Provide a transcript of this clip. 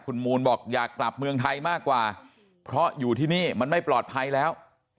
คุณมูลบอกอยากกลับเมืองไทยมากกว่าเพราะอยู่ที่นี่มันไม่ปลอดภัยแล้ว